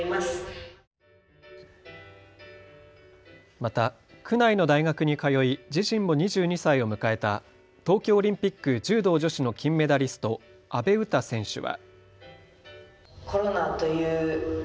また区内の大学に通い自身も２２歳を迎えた東京オリンピック柔道女子の金メダリスト、阿部詩選手は。